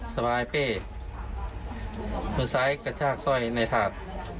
สบายเป้มือซ้ายกระชากสร้อยในถาด